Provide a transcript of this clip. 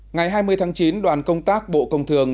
ngày hai mươi tháng chín đoàn công tác bộ công thường